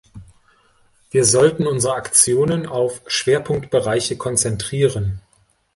Wir sollten unsere Aktionen auf Schwerpunktbereiche konzentrieren.